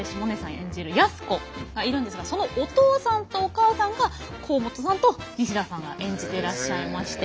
演じる安子がいるんですがそのお父さんとお母さんが甲本さんと西田さんが演じてらっしゃいまして。